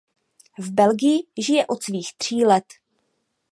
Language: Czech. V Belgii žije od svých tří let.